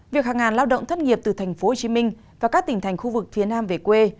việc hàng ngàn lao động thất nghiệp từ tp hcm và các tỉnh thành khu vực phía nam về quê